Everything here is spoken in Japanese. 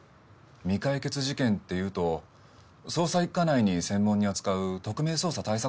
未解決事件っていうと捜査一課内に専門に扱う特命捜査対策班があるよね？